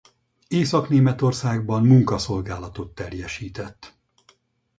Észak-Németországban munkaszolgálatot teljesített.